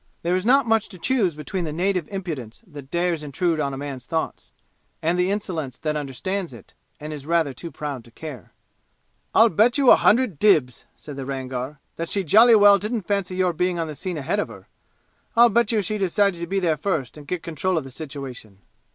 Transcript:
There is not much to choose between the native impudence that dares intrude on a man's thoughts, and the insolence that understands it, and is rather too proud to care. "I'll bet you a hundred dibs," said the Rangar, "that she jolly well didn't fancy your being on the scene ahead of her! I'll bet you she decided to be there first and get control of the situation!